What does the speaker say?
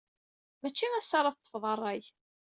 Mačči assa ara teṭṭfeḍ rray.